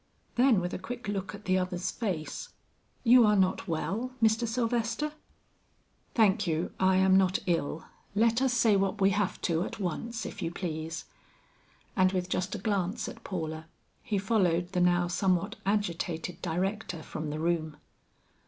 Then with a quick look in the other's face, "You are not well, Mr. Sylvester?" "Thank you, I am not ill; let us say what we have to, at once, if you please." And with just a glance at Paula, he followed the now somewhat agitated director from the room.